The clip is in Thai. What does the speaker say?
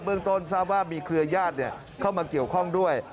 เมืองต้นทราบว่ามีเครือญาติเข้ามาเกี่ยวข้องด้วย